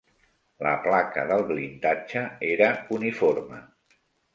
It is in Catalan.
La placa del blindatge era uniforme.